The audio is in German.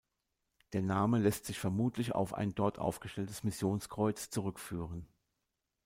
Der Name lässt sich vermutlich auf ein dort aufgestelltes Missionskreuz zurückführen.